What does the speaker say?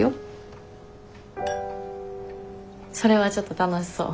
それはちょっと楽しそう。